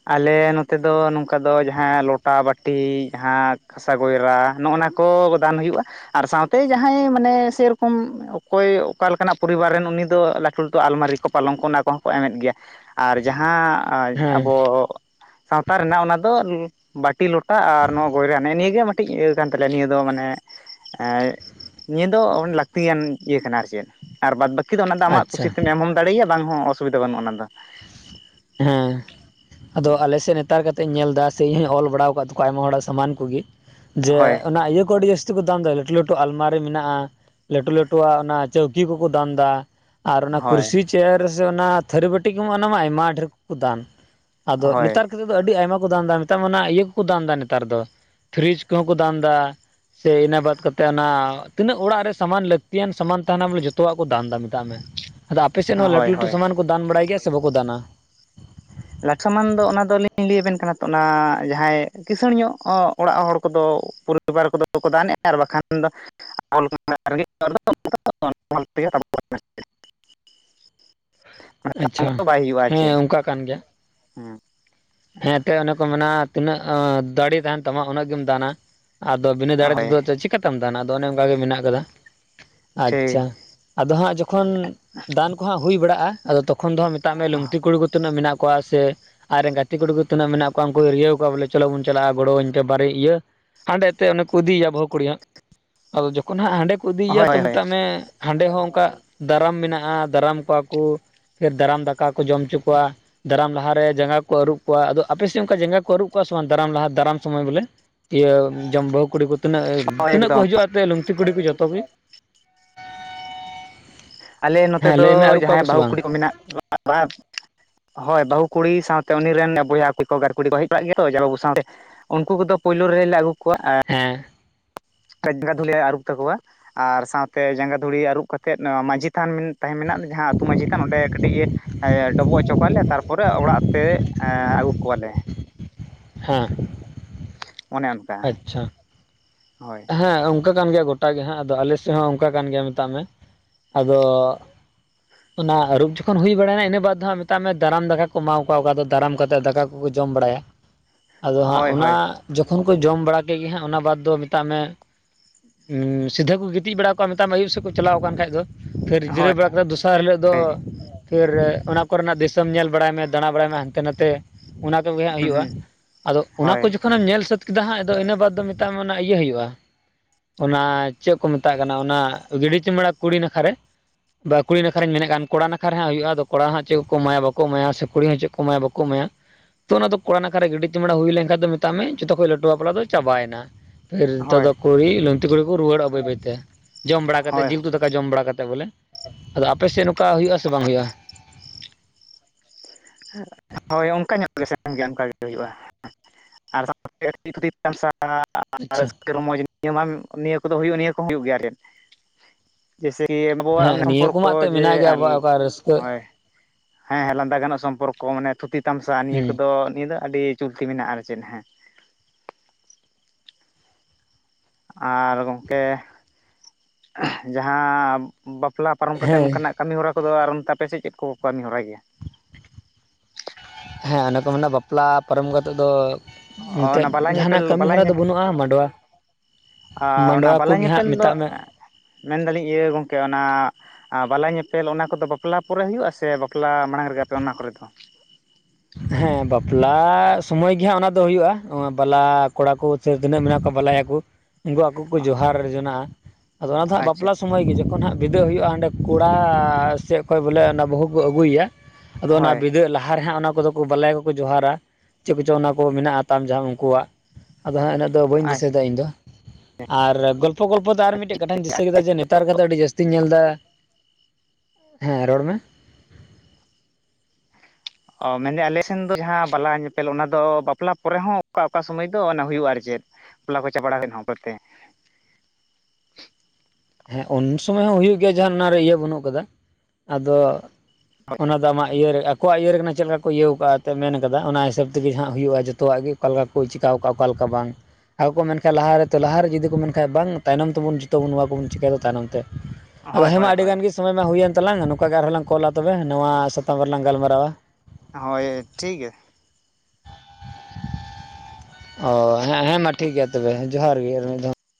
ᱟᱞᱮ ᱱᱚᱛᱮ ᱫᱚ ᱱᱚᱝᱠᱟ ᱫᱚ ᱡᱟᱦᱟᱸ ᱞᱚᱴᱟ ᱵᱟᱹᱴᱤ ᱡᱟᱦᱟᱸ ᱦᱟᱥᱟ ᱜᱚᱭᱨᱟ ᱱᱚᱜᱼᱱᱟ ᱠᱚ ᱜᱚ ᱫᱟᱱ ᱦᱩᱭᱩᱜᱼᱟ᱾ ᱟᱨ ᱥᱟᱶᱛᱮ ᱡᱟᱦᱟᱸᱭ ᱢᱟᱱᱮ ᱥᱮᱨᱚᱠᱚᱢ ᱚᱠᱚᱭ ᱚᱠᱟ ᱞᱮᱠᱟᱱᱟᱜ ᱯᱚᱨᱤᱵᱟᱨ ᱨᱮᱱ ᱩᱱᱤ ᱫᱚ ᱞᱟᱹᱴᱩ ᱞᱟᱹᱴᱩ ᱟᱞᱢᱟᱨᱤ ᱠᱚ ᱯᱟᱞᱚᱝ ᱠᱚ ᱚᱱᱟ ᱠᱚᱦᱚᱸ ᱠᱚ ᱮᱢᱮᱜ ᱜᱮᱭᱟ ᱟᱨ ᱡᱟᱦᱟᱸ ᱦᱮᱸ ᱟᱵᱚ ᱥᱟᱶᱛᱟ ᱨᱮᱱᱟᱜ ᱚᱱᱟᱫᱚ, ᱵᱟᱹᱴᱤ ᱞᱚᱴᱟ ᱟᱨ ᱱᱚᱣᱟ ᱜᱚᱭᱨᱟ ᱱᱮᱜ ᱮ ᱱᱤᱭᱟᱹ ᱜᱮ ᱢᱟᱴᱤᱜ ᱤᱭᱟᱹ ᱠᱟᱱ ᱛᱟᱞᱮᱭᱟ ᱱᱤᱭᱟᱹ ᱫᱚ᱾ ᱢᱟᱱᱮ ᱱᱤᱭᱟᱹ ᱫᱚ ᱞᱟᱹᱠᱛᱤᱭᱟᱱ ᱤᱭᱟᱹ ᱠᱟᱱᱟ ᱟᱨ ᱪᱮᱫ ᱟᱨ ᱵᱟᱫ ᱵᱟᱹ ᱠᱤ ᱫᱚ ᱚᱱᱟ ᱫᱚ ᱟᱢᱟᱜ ᱟᱪᱪᱷᱟ ᱠᱩᱥᱤᱛᱮᱢ ᱮᱢ ᱦᱚᱸᱢ ᱫᱟᱲᱮᱭᱼᱟ ᱵᱟᱝ ᱦᱚᱸ ᱚᱥᱩᱵᱤᱫᱟ ᱵᱟᱹᱱᱩᱜᱼᱟ ᱚᱱᱟ ᱫᱚ᱾ ᱦᱮᱸ ᱟᱫᱚ ᱟᱞᱮ ᱥᱮᱜ ᱨᱮ ᱱᱮᱛᱟᱨ ᱠᱟᱛᱮ ᱤᱧ ᱧᱮᱞ ᱫᱟ ᱥᱮ ᱤᱧ ᱦᱚᱧ ᱚᱞ ᱵᱟᱲᱟᱣ ᱠᱟᱜ ᱛᱟᱠᱚᱣᱟ ᱟᱭᱢᱟ ᱦᱚᱲᱟᱜ ᱥᱟᱢᱟᱱ ᱠᱚᱜᱮ ᱡᱮ ᱦᱳᱭ ᱚᱱᱟ ᱤᱭᱟᱹ ᱠᱚ ᱟᱹᱰᱤ ᱡᱟᱹᱥ ᱛᱤ ᱠᱚ ᱫᱟᱱ ᱫᱟ ᱞᱟᱹᱴᱩ ᱞᱟᱹᱴᱩ ᱟᱞᱢᱟᱨᱤ ᱢᱮᱱᱟᱜᱼᱟ ᱞᱟᱹᱴᱩ ᱞᱟᱹᱴᱩᱣᱟᱜ ᱚᱱᱟ ᱪᱟᱹᱣᱠᱤ ᱠᱚᱠᱚ ᱫᱟᱱ ᱫᱟ᱾ ᱟᱨ ᱚᱱᱟ ᱦᱳᱭ ᱠᱩᱨᱥᱤ ᱪᱮᱭᱟᱨ ᱨᱮᱥᱮ ᱚᱱᱟ ᱛᱷᱟᱹᱨᱤ ᱵᱟᱹᱴᱤ ᱠᱚᱢᱟ ᱚᱱᱟ ᱢᱟ ᱟᱭᱢᱟ ᱰᱷᱮᱨ ᱠᱩ ᱫᱟᱱ᱾ ᱟᱫᱚ ᱦᱳᱭ ᱱᱮᱛᱟᱨ ᱱᱤᱛᱚᱜ ᱫᱚ ᱟᱹᱰᱤ ᱟᱭᱢᱟ ᱠᱚ ᱫᱟᱱ ᱫᱟ, ᱢᱮᱛᱟᱜ ᱢᱮ ᱚᱱᱟ ᱤᱭᱟᱹ ᱠᱚᱠᱚ ᱫᱟᱱ ᱫᱟ, ᱱᱮᱛᱟᱨ ᱫᱚ ᱯᱷᱨᱤᱡᱽ ᱠᱚᱦᱚᱸ ᱠᱚ ᱫᱟᱱ ᱫᱟ᱾ ᱥᱮ ᱤᱱᱟᱹ ᱵᱟᱫᱽ ᱠᱟᱛᱮ ᱚᱱᱟ ᱛᱤᱱᱟᱹᱜ ᱚᱲᱟᱜ ᱨᱮ ᱥᱟᱢᱟᱱ ᱞᱟᱹᱠᱛᱤᱭᱟᱱ ᱥᱟᱢᱟᱱ ᱛᱟᱦᱮᱸᱱᱟ ᱵᱚᱞᱮ ᱡᱚᱛᱚᱣᱟᱜ ᱠᱚ ᱫᱟᱱᱫᱟ ᱢᱮᱛᱟᱜ ᱢᱮ᱾ [unintelligible] ᱟᱫᱚ ᱟᱯᱮ ᱥᱮᱱ ᱦᱚᱸ ᱞᱟᱹᱴᱩ ᱦᱳᱭ ᱞᱟᱹᱴᱩ ᱦᱳᱭ ᱥᱟᱢᱟᱱ ᱠᱚ ᱫᱟᱱ ᱵᱟᱲᱟᱭ ᱜᱮᱭᱟ ᱥᱮ ᱵᱟᱠᱚ ᱫᱟᱱᱟ? ᱞᱟᱠᱷᱟᱢᱟᱱ ᱫᱚ ᱚᱱᱟ ᱫᱚᱞᱤᱧ ᱞᱟᱹᱭᱟᱵᱮᱱ ᱠᱟᱱᱟ ᱛᱚ ᱚᱱᱟ ᱡᱟᱦᱟᱸᱭ ᱠᱤᱸᱥᱟᱹᱬ ᱧᱚᱜ ᱚ ᱚᱲᱟᱜ ᱦᱚᱲ ᱠᱚᱫᱚ ᱯᱩᱨᱟᱹ ᱯᱩᱨᱤᱵᱟᱨ ᱠᱚᱫᱚ ᱠᱚ ᱫᱟᱱᱮᱜ-ᱟ ᱟᱨ ᱵᱟᱠᱷᱟᱱ ᱫᱚ ᱟᱵᱚ ᱞᱮᱠᱟᱱ ᱨᱮᱜᱮᱡ ᱦᱚᱲ ᱫᱚ [unintelligible] [unintelligible] ᱛᱮᱜᱮ ᱟᱵᱚ [unintelligible] [unintelligible] ᱟᱪᱪᱷᱟ ᱫᱚ ᱵᱟᱭ ᱦᱩᱭᱩᱜᱼᱟ ᱟᱨ ᱪᱮᱫ ᱦᱮᱸ ᱚᱱᱠᱟ ᱠᱟᱱ ᱜᱮᱭᱟ᱾ ᱦᱮᱸ ᱦᱮᱸ ᱛᱮ ᱚᱱᱮ ᱠᱚ ᱢᱮᱱᱟ ᱛᱤᱱᱟᱹᱜ ᱫᱟᱲᱮ ᱛᱟᱦᱮᱸᱱ ᱛᱟᱢᱟ ᱩᱱᱟᱹᱜ ᱜᱮᱢ ᱫᱟᱱᱟ᱾ ᱟᱫᱚ ᱵᱤᱱᱟᱹ ᱫᱟᱲᱮ ᱦᱳᱭ ᱛᱮᱫᱚ ᱪᱤᱠᱟᱹᱛᱮᱢ ᱫᱟᱱᱟ᱾ ᱟᱫᱚ ᱚᱱᱮ ᱚᱱᱠᱟ ᱜᱮ ᱢᱮᱱᱟᱜ ᱠᱟᱫᱟ᱾ ᱴᱷᱤᱠ ᱟᱪᱪᱷᱟ, ᱟᱫᱚ ᱦᱟᱸᱜ ᱡᱚᱠᱷᱚᱱ ᱫᱟᱱ ᱠᱚ ᱦᱟᱸᱜ ᱦᱩᱭ ᱵᱟᱲᱟᱜ-ᱟ᱾ ᱟᱫᱚ ᱛᱚᱠᱷᱚᱱ ᱫᱚ ᱦᱟᱸᱜ ᱢᱮᱛᱟᱜ ᱢᱮ ᱞᱩᱝᱛᱤ ᱠᱩᱲᱤ ᱠᱚ ᱛᱤᱱᱟᱹᱜ ᱢᱮᱱᱟᱜ ᱠᱚᱣᱟ ᱥᱮ ᱟᱡ ᱨᱮᱱ ᱜᱟᱛᱮ ᱠᱩᱲᱤ ᱠᱚ ᱛᱤᱱᱟᱹᱜ ᱢᱮᱱᱟᱜ ᱠᱚᱣᱟ᱾ ᱩᱱᱠᱩ ᱨᱤᱭᱟᱹᱣ ᱠᱚᱣᱟ ᱵᱚᱞᱮ ᱪᱚᱞᱚ ᱵᱚᱱ ᱪᱟᱞᱟᱜ-ᱟ ᱜᱚᱲᱚ ᱟᱹᱧ ᱯᱮ ᱵᱟᱨ ᱤᱭᱟᱹ᱾ ᱦᱟᱸᱰᱮ ᱛᱮ ᱚᱱᱮ ᱠᱚ ᱤᱫᱤᱭᱟ ᱵᱟᱹᱦᱩ ᱠᱩᱲᱤ ᱦᱟᱸᱜ᱾ ᱟᱫᱚ ᱡᱚᱠᱷᱚᱱ ᱦᱟᱸᱜ ᱦᱟᱸᱰᱮ ᱠᱚ ᱦᱳᱭ ᱤᱫᱤᱭᱟ ᱛᱚ ᱦᱳᱭ ᱢᱮᱛᱟᱜ ᱢᱮ ᱦᱟᱸᱰᱮ ᱦᱚᱸ ᱚᱱᱠᱟ ᱫᱟᱨᱟᱢ ᱢᱮᱱᱟᱜ-ᱟ ᱫᱟᱨᱟᱢ ᱠᱚᱣᱟ ᱠᱚ᱾ ᱯᱷᱮᱨ ᱫᱟᱨᱟᱢ ᱫᱟᱠᱟ ᱠᱚ ᱡᱚᱢ ᱦᱚᱪᱚ ᱠᱚᱣᱟ᱾ ᱫᱟᱨᱟᱢ ᱞᱟᱦᱟᱨᱮ ᱡᱟᱸᱜᱟ ᱠᱚ ᱟᱹᱨᱩᱵᱽ ᱠᱚᱣᱟ᱾ ᱟᱫᱚ ᱟᱯᱮ ᱥᱮᱫ ᱚᱱᱠᱟ ᱡᱟᱸᱜᱟ ᱠᱚ ᱟᱹᱨᱩᱵᱽ ᱠᱚᱣᱟ ᱥᱮ ᱵᱟᱝ ᱫᱟᱨᱟᱢ ᱞᱟᱦᱟ ᱫᱟᱨᱟᱢ ᱥᱚᱢᱚᱭ ᱵᱚᱞᱮ ᱤᱭᱟᱹ ᱡᱚᱢ ᱵᱟᱹᱦᱩ ᱠᱩᱲᱤ ᱠᱚ? ᱛᱤᱱᱟᱹᱜ ᱦᱳᱭ ᱛᱤᱱᱟᱹᱜ ᱠᱚ ᱮᱠᱫᱚᱢ ᱦᱤᱡᱩᱜ-ᱟ ᱛᱮ ᱞᱩᱝᱛᱤ ᱠᱩᱲᱤ ᱠᱚ ᱡᱚᱛᱷᱚ ᱜᱮ᱾ ᱟᱞᱮ ᱱᱚᱛᱮ ᱦᱮᱸ ᱫᱚ ᱞᱟᱹᱭ ᱢᱮ ᱟᱹᱨᱩᱵ ᱠᱚᱣᱟ ᱡᱟᱦᱟᱸᱭ ᱥᱮ ᱵᱟᱹᱦᱩ ᱵᱟᱝ ᱠᱩᱲᱤ ᱠᱚ ᱢᱮᱱᱟᱜ ᱠᱚᱣᱟ ᱦᱳᱭ ᱵᱟᱹᱦᱩ ᱠᱩᱲᱤ ᱥᱟᱶᱛᱮ ᱩᱱᱤ ᱨᱮᱱ ᱵᱚᱭᱦᱟ ᱠᱩᱲᱤ ᱠᱚ ᱜᱟᱨ ᱠᱩᱲᱤ ᱠᱚ ᱦᱮᱡ ᱵᱟᱲᱟᱜ ᱜᱮᱭᱟ ᱛᱚ ᱡᱟᱢᱟᱭ ᱵᱟᱹᱵᱩ ᱥᱟᱶᱛᱮ᱾ ᱩᱱᱠᱩ ᱠᱚᱫᱚ ᱯᱩᱭᱞᱳ ᱨᱮᱞᱮ ᱟᱹᱜᱩ ᱠᱚᱣᱟ ᱟᱨ ᱦᱮᱸ ᱠᱟ ᱡᱟᱸᱜᱟ ᱫᱚᱞᱮ ᱟᱹᱨᱩᱵᱽ ᱛᱟᱠᱚᱣᱟ᱾ ᱟᱨ ᱥᱟᱶᱛᱮ ᱡᱟᱸᱜᱟ ᱫᱷᱩᱲᱤ ᱟᱹᱨᱩᱵᱽ ᱠᱟᱛᱮᱫ ᱢᱟᱺᱡᱷᱤ ᱛᱷᱟᱱ ᱛᱟᱦᱮᱸᱱ ᱢᱮᱱᱟᱜ ᱡᱟᱦᱟᱸ ᱟᱹᱛᱩ ᱢᱟᱹᱡᱷᱤ ᱛᱷᱟᱱ ᱚᱸᱰᱮ ᱠᱟᱹᱴᱤᱡ ᱜᱮ ᱟᱭᱟ ᱰᱚᱵᱚᱜ ᱦᱚᱪᱚ ᱠᱚᱣᱟᱞᱮ, ᱛᱟᱨᱯᱚᱨᱮ ᱚᱲᱟᱜ ᱛᱮ ᱮᱸ ᱟᱹᱜᱩ ᱠᱚᱣᱟ ᱞᱮ᱾ ᱦᱚᱸ ᱚᱱᱮ ᱚᱱᱠᱟ ᱦᱳᱭ ᱦᱮᱸ ᱚᱱᱠᱟ ᱠᱟᱱ ᱜᱮᱭᱟ ᱜᱚᱴᱟ ᱜᱮ ᱦᱟᱸᱜ᱾ ᱟᱫᱚ ᱟᱞᱮ ᱥᱮᱫ ᱦᱚᱸ ᱚᱱᱠᱟ ᱠᱟᱱ ᱜᱮᱭᱟ ᱢᱮᱛᱟᱜ ᱢᱮ᱾ ᱟᱫᱚ [unintelligible] ᱚᱱᱟ ᱟᱹᱨᱩᱵᱽ ᱡᱚᱠᱷᱚᱱ ᱦᱩᱭ ᱵᱟᱲᱟᱭ ᱮᱱᱟ᱾ ᱤᱱᱟᱹ ᱵᱟᱫᱽ ᱫᱚᱦᱟᱸᱜ ᱢᱮᱛᱟᱜ ᱢᱮ ᱫᱟᱨᱟᱢ ᱫᱟᱠᱟ ᱠᱚ ᱮᱢᱟᱣ ᱟᱠᱚᱣᱟ᱾ ᱚᱠᱟ ᱫᱚ ᱫᱟᱨᱟᱢ ᱠᱟᱛᱮᱫ ᱫᱟᱠᱟ ᱠᱚᱠᱚ ᱡᱚᱢ ᱵᱟᱲᱟᱭᱟ᱾ [unintelligible] ᱟᱫᱚ ᱦᱟᱸᱜ ᱚᱱᱟ ᱦᱳᱭ ᱡᱚᱠᱷᱚᱱ ᱠᱚ ᱡᱚᱢ ᱵᱟᱲᱟ ᱠᱮᱫ ᱜᱮ ᱦᱟᱸᱜ ᱚᱱᱟ ᱵᱟᱫᱽ ᱫᱚ ᱢᱮᱛᱟᱜ ᱢᱮ ᱥᱤᱫᱷᱟᱹ ᱠᱚ ᱜᱤᱛᱤᱡ ᱵᱟᱲᱟ ᱠᱚᱜ-ᱟ ᱢᱮᱛᱟᱢ ᱢᱮ ᱟᱭᱩᱵ ᱥᱮᱫ ᱠᱚ ᱪᱟᱞᱟᱣ ᱟᱠᱟᱱ ᱠᱷᱟᱡ ᱫᱚ᱾ ᱯᱷᱮᱨ ᱦᱳᱭ ᱡᱤᱨᱟᱹᱣ ᱵᱟᱲᱟ ᱠᱟᱛᱮᱫ ᱫᱚᱥᱟᱨ ᱦᱤᱞᱳᱜ ᱫᱚ ᱦᱳᱭ ᱯᱷᱮᱨ ᱚᱱᱟ ᱠᱚ ᱨᱮᱱᱟᱜ ᱫᱤᱥᱚᱢ ᱧᱮᱞ ᱵᱟᱲᱟᱭ ᱢᱮ ᱫᱟᱬᱟ ᱵᱟᱲᱟᱭ ᱢᱮ ᱦᱟᱱᱛᱮ ᱱᱟᱛᱮ ᱚᱱᱟ ᱠᱚᱜᱮ ᱦᱟᱸᱜ ᱦᱩᱭᱩᱜ-ᱟ᱾ ᱟᱫᱚ ᱚᱱᱟ ᱦᱳᱭ ᱠᱚ ᱡᱚᱠᱷᱚᱱ ᱮᱢ ᱧᱮᱞ ᱥᱟᱹᱛ ᱠᱮᱫᱟ ᱦᱟᱸᱜ᱾ ᱟᱫᱚ ᱤᱱᱟᱹ ᱵᱟᱫᱽ ᱫᱚ ᱢᱮᱛᱟᱢ ᱢᱮ ᱚᱱᱟ ᱤᱭᱟᱹ ᱦᱩᱭᱩᱜ-ᱟ ᱚᱱᱟ ᱪᱮᱫ ᱠᱚ ᱢᱮᱛᱟᱜ ᱠᱟᱱᱟ ᱚᱱᱟ ᱜᱤᱰᱤ ᱪᱩᱢᱟᱹᱲᱟ ᱠᱩᱲᱤ ᱱᱟᱠᱷᱟᱨ ᱨᱮ ᱵᱟ ᱠᱩᱲᱤ ᱱᱟᱠᱷᱟ ᱨᱤᱧ ᱢᱮᱱᱮᱫ ᱠᱟᱱ ᱠᱚᱲᱟ ᱱᱟᱠᱷᱟ ᱨᱮ ᱦᱟᱸᱜ ᱦᱩᱭᱩᱜ-ᱟ᱾ ᱟᱫᱚ ᱠᱚᱲᱟ ᱦᱟᱸᱜ ᱪᱮᱫ ᱠᱚ ᱮᱢᱟᱭᱟ ᱵᱟᱠᱚ ᱮᱢᱟᱭᱟ ᱥᱮ ᱠᱩᱲᱤ ᱦᱚᱸ ᱪᱮᱫ ᱠᱚ ᱮᱢᱟᱭᱟ ᱵᱟᱠᱚ ᱮᱢᱟᱭᱟ᱾ ᱛᱚ ᱚᱱᱟ ᱫᱚ ᱠᱚᱲᱟ ᱱᱟᱠᱷᱟ ᱨᱮ ᱜᱤᱰᱤ ᱪᱩᱢᱟᱹᱲᱟ ᱦᱩᱭ ᱞᱮᱱᱠᱷᱟᱱ ᱫᱚ ᱢᱮᱛᱟᱜ ᱢᱮ ᱡᱚᱛᱚ ᱠᱷᱚᱡ ᱞᱟᱹᱴᱩ ᱵᱟᱯᱞᱟ ᱫᱚ ᱪᱟᱵᱟᱭ ᱮᱱᱟ᱾ ᱯᱷᱤᱨ ᱱᱤᱛᱚᱜ ᱦᱳᱭ ᱫᱚ ᱠᱩᱲᱤ ᱞᱩᱝᱛᱤ ᱠᱩᱲᱤ ᱠᱚ ᱨᱩᱣᱟᱹᱲᱚᱜ-ᱟ ᱵᱟᱹᱭ ᱵᱟᱹᱭᱛᱮ ᱡᱚᱢ ᱵᱟᱲᱟ ᱠᱟᱛᱮᱫ ᱦᱳᱭ ᱡᱤᱞ ᱩᱛᱩ ᱫᱟᱠ ᱫᱟᱠᱟ ᱡᱚᱢ ᱵᱟᱲᱟ ᱠᱟᱛᱮᱫ ᱵᱚᱞᱮ᱾ ᱟᱫᱚ ᱟᱯᱮ ᱥᱮᱫ ᱱᱚᱝᱠᱟ ᱦᱩᱭᱩᱜ-ᱟ ᱥᱮ ᱵᱟᱝ ᱦᱩᱭᱩᱜ-ᱟ? ᱟᱨ ᱦᱳᱭ ᱚᱱᱠᱟ ᱧᱚᱜ ᱜᱮ ᱥᱮ [unintelligible] ᱚᱱᱠᱟᱜ ᱜᱮ ᱦᱩᱭᱩᱜ-ᱟ ᱟᱨ ᱥᱟᱸᱜᱮ ᱪᱮᱫ ᱠᱷᱟᱹᱛᱤᱨ ᱛᱟᱢᱥᱟ ᱠᱟᱱᱟ ᱟᱨ ᱟᱪᱪᱷᱟ ᱨᱟᱹᱥᱠᱟᱹ ᱨᱚᱢᱚᱡᱽ ᱱᱤᱭᱟᱹ ᱢᱟ ᱱᱤᱭᱟᱹ ᱠᱚᱫᱚ ᱦᱩᱭᱩᱜ-ᱟ ᱱᱤᱭᱟᱹ ᱠᱚ ᱦᱩᱭᱩᱜ ᱜᱮᱭᱟ ᱟᱨ ᱪᱮᱫ᱾ ᱡᱮᱭ ᱥᱮᱠᱤ ᱟᱵᱚᱣᱟᱜ ᱢᱟᱱᱮ ᱦᱮᱸ ᱱᱤᱭᱟᱹ ᱥᱚᱢᱯᱚᱨᱠᱚ ᱠᱚᱢᱟ ᱮᱱᱛᱮᱫ ᱡᱮ ᱢᱮᱱᱟᱜ ᱜᱮᱭᱟ ᱟᱨ ᱟᱵᱚᱣᱟᱜ ᱚᱠᱟ ᱨᱟᱹᱥᱠᱟᱹ ᱦᱳᱭ᱾ ᱦᱮᱸ ᱦᱮᱸ ᱞᱟᱸᱫᱟ ᱜᱟᱱᱚᱜ ᱥᱚᱢᱯᱚᱨᱠᱚ ᱢᱟᱱᱮ ᱛᱷᱩᱛᱤ ᱛᱟᱢᱥᱟ ᱱᱤᱭᱟᱹ ᱦᱮᱸ ᱠᱚᱫᱚ ᱱᱤᱭᱟᱹ ᱫᱚ ᱟᱹᱰᱤ ᱪᱚᱞᱛᱤ ᱢᱮᱱᱟᱜ-ᱟ ᱟᱨ ᱪᱮᱫ ᱦᱮᱸ᱾ ᱟᱨ ᱜᱚᱝᱠᱮ ᱡᱟᱦᱟᱸ ᱵᱟᱯᱞᱟ ᱯᱟᱨᱚᱢ ᱠᱟᱛᱮᱫ ᱦᱮᱸ ᱱᱚᱝᱠᱟᱱᱟᱜ ᱠᱟᱹᱢᱤ ᱦᱚᱨᱟ ᱠᱚᱫᱚ ᱟᱨ ᱚᱱᱛᱮ ᱟᱯᱮ ᱥᱮᱫ ᱪᱮᱫ ᱠᱚᱠᱚ ᱠᱟᱹᱢᱤ ᱦᱚᱨᱟᱭ ᱜᱮᱭᱟ? ᱦᱮᱸ ᱚᱱᱮ ᱠᱚ ᱢᱮᱱᱟ ᱵᱟᱯᱞᱟ ᱯᱟᱨᱚᱢ ᱠᱟᱛᱮ ᱫᱚ ᱮᱱᱛᱮᱜ ᱚᱱᱟ ᱵᱟᱞᱟ ᱧᱮᱯᱮᱞ ᱡᱟᱦᱟᱸᱱᱟᱜ ᱵᱟᱞᱟ ᱠᱟᱹᱢᱤᱦᱚᱨᱟ ᱫᱚ ᱧᱮ ᱵᱟᱹᱱᱩᱜ-ᱟ ᱢᱟᱰᱣᱟ ᱢᱟᱰᱣᱟ ᱠᱚᱜᱮ ᱦᱟᱸᱜ ᱢᱮᱛᱟᱜ ᱢᱮ᱾ ᱢᱮᱱ ᱫᱟᱞᱤᱧ ᱤᱭᱟᱹ ᱜᱚᱢᱠᱮ ᱚᱱᱟ ᱟ ᱵᱟᱞᱟ ᱧᱮᱯᱮᱞ ᱚᱱᱟ ᱠᱚᱫᱚ ᱵᱟᱯᱞᱟ ᱯᱚᱨᱮ ᱦᱩᱭᱩᱜᱼᱟ ᱥᱮ ᱵᱟᱯᱞᱟ ᱢᱟᱲᱟᱝ ᱨᱮᱜᱮ ᱟᱯᱮ ᱚᱱᱟ ᱠᱚᱨᱮ ᱫᱚ? ᱦᱮᱸ ᱵᱟᱯᱞᱟ ᱥᱚᱢᱚᱭ ᱜᱮᱦᱟᱸᱜ ᱚᱱᱟ ᱫᱚ ᱦᱩᱭᱩᱜᱼᱟ ᱵᱟᱞᱟ ᱠᱚᱲᱟ ᱠᱚ ᱛᱤᱱᱟᱹᱜ ᱢᱮᱱᱟᱜ ᱠᱚᱣᱟ ᱵᱟᱞᱟᱭᱟ ᱠᱚ ᱩᱱᱠᱩ ᱟᱠᱚ ᱠᱚ ᱡᱚᱦᱟᱨ ᱡᱚᱱᱟᱜᱼᱟ, ᱟᱫᱚ ᱚᱱᱟ ᱫᱚ ᱦᱟᱸᱜ ᱟᱪᱪᱷᱟ ᱵᱟᱯᱞᱟ ᱥᱚᱢᱚᱭ ᱜᱮ ᱡᱚᱠᱷᱚᱱ ᱦᱟᱸᱜ ᱵᱤᱫᱟᱹᱜ ᱦᱩᱭᱩᱜᱼᱟ ᱦᱟᱰᱮ ᱠᱚᱲᱟ ᱥᱮᱫ ᱠᱷᱚᱱ ᱵᱚᱞᱮ ᱚᱱᱟ ᱵᱟᱹᱦᱩ ᱠᱚ ᱟᱹᱜᱩᱭᱟ ᱾ ᱟᱫᱚ ᱚᱱᱟ ᱦᱳᱭ ᱵᱤᱫᱟᱹᱜ ᱞᱟᱦᱟ ᱨᱮᱦᱟᱸᱜ ᱚᱱᱟ ᱩᱱᱠᱩ ᱫᱚᱠᱚ ᱵᱟᱞᱟᱭᱟ ᱠᱚᱠᱚ ᱡᱚᱦᱟᱨᱟ ᱪᱮᱫ ᱠᱚᱪᱚᱝ ᱚᱱᱟ ᱠᱚ ᱢᱮᱱᱟᱜᱼᱟ ᱛᱟᱢ ᱡᱟᱦᱟᱢ ᱩᱱᱠᱩᱣᱟᱜ ᱟᱫᱚ ᱦᱟᱸᱜ ᱤᱱᱟᱹ ᱟᱫᱚ ᱵᱟᱹᱧ ᱟᱪᱪᱷᱟ ᱫᱤᱥᱟᱹᱭᱮᱫᱟ ᱤᱧ ᱫᱚ ᱾ ᱟᱨ ᱜᱚᱞᱯᱚ ᱜᱚᱞᱯᱚ ᱫᱚ ᱟᱨ ᱢᱤᱫᱴᱮᱡ ᱠᱟᱛᱷᱟᱧ ᱫᱤᱥᱟᱹ ᱠᱮᱫᱟ ᱡᱮ ᱱᱮᱛᱟᱨ ᱠᱟᱛᱮ ᱟᱹᱰᱤ ᱡᱟᱥᱛᱤᱧ ᱧᱮᱞ ᱮᱫᱟ [inaudible] ᱦᱮᱸ ᱨᱚᱲ ᱢᱮ ᱾ ᱚ ᱢᱮᱱᱮᱫᱮᱧ ᱟᱞᱮ ᱥᱮᱱ ᱫᱚ ᱡᱟᱦᱟᱸ ᱵᱟᱞᱟ ᱧᱮᱯᱮᱞ ᱚᱱᱟᱫᱚ ᱵᱟᱯᱞᱟ ᱯᱚᱨᱮ ᱦᱚᱸ ᱚᱠᱟ ᱚᱠᱟ ᱥᱚᱢᱚᱭ ᱫᱚ ᱚᱱᱟ ᱦᱩᱭᱩᱜᱼᱟ ᱟᱨ ᱪᱮᱫ ᱾ ᱯᱞᱟ ᱠᱳ [unintelligible] [inaudible] ᱯᱚᱨᱮ ᱛᱮ ᱾ ᱦᱮᱸ ᱩᱱ ᱥᱚᱢᱚᱭ ᱦᱚᱸ ᱦᱩᱭᱩᱜ ᱜᱮᱭᱟ ᱡᱟᱦᱟᱸ ᱚᱱᱟᱨᱮ ᱤᱭᱟᱹ ᱵᱟᱹᱱᱩᱜ ᱟᱠᱟᱫᱟ ᱟᱫᱚ ᱚᱱᱟ ᱫᱚ ᱟᱢᱟᱜ ᱤᱭᱟᱹ ᱨᱮ ᱟᱠᱚᱣᱟᱜ ᱤᱭᱟᱹ ᱨᱮ ᱠᱟᱱᱟ ᱪᱮᱫ ᱞᱮᱠᱟ ᱠᱚ ᱤᱭᱟᱹᱣ ᱠᱟᱜᱼᱟ ᱮᱛᱮ ᱢᱮᱱ ᱠᱟᱫᱟ ᱚᱱᱟ ᱦᱤᱥᱟᱹᱵᱽ ᱛᱮᱜᱮ ᱦᱟᱸᱜ ᱦᱩᱭᱩᱜᱼᱟ ᱡᱚᱛᱚᱣᱟᱜ ᱜᱮ ᱾ ᱚᱠᱟ ᱞᱮᱠᱟ ᱠᱚ ᱪᱤᱠᱟᱣ ᱠᱟᱜᱼᱟ ᱚᱠᱟ ᱞᱮᱠᱟ ᱵᱟᱝ ᱾ ᱟᱠᱚ ᱠᱚ ᱢᱮᱱᱠᱷᱟᱱ ᱞᱟᱦᱟᱨᱮ ᱛᱚ ᱞᱟᱦᱟᱨᱮ ᱡᱩᱫᱤ ᱠᱚ ᱢᱮᱱᱠᱷᱟᱱ ᱵᱟᱝ ᱛᱟᱭᱱᱚᱢ ᱛᱮᱵᱚᱱ ᱡᱚᱛᱚ ᱵᱚᱱ ᱱᱚᱣᱟ ᱠᱚ ᱪᱤᱠᱟᱹ ᱫᱚ ᱛᱟᱭᱱᱚᱢ ᱛᱮ, ᱟᱫᱚ ᱦᱳᱭ ᱦᱮᱸᱢᱟ ᱦᱳᱭ ᱟᱹᱰᱤ ᱦᱳᱭ ᱜᱟᱱ ᱜᱮ ᱥᱚᱢᱚᱭ ᱢᱟ ᱦᱩᱭᱮᱱ ᱛᱟᱞᱟᱝ ᱱᱚᱝᱠᱟ ᱜᱮ ᱟᱨᱦᱚ ᱞᱟᱝ ᱠᱚᱞᱟ ᱛᱚᱵᱮ ᱱᱚᱣᱟ ᱥᱟᱛᱟᱢ ᱨᱮᱞᱟᱝ ᱜᱟᱞᱢᱟᱨᱟᱣᱟ ᱾ ᱦᱳᱭ ᱴᱷᱤᱠ ᱜᱮᱭᱟ ᱾ ᱚ ᱦᱮᱸ ᱦᱮᱸ ᱢᱟ ᱴᱷᱤᱠ ᱜᱮᱭᱟ ᱛᱚᱵᱮ ᱡᱚᱦᱟᱨ ᱜᱮ ᱟᱨ ᱢᱤᱫ ᱫᱷᱚᱢ